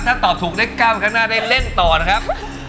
ถ้าตอบถูกได้๙ข้างหน้าได้เล่นต่อนะครับ